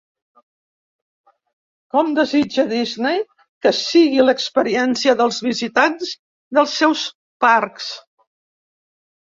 Com desitja Disney que sigui l'experiència dels visitants dels seus parcs?